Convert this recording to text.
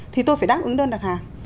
thì tôi phải đáp ứng đơn đặt hàng